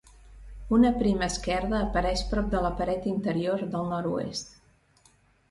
Una prima esquerda apareix prop de la paret interior del nord-oest.